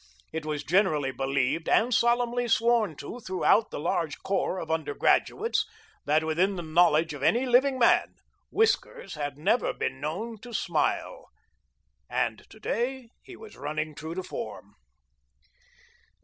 It was generally believed and solemnly sworn to throughout the large corps of undergraduates that within the knowledge of any living man Whiskers had never been known to smile, and to day he was running true to form.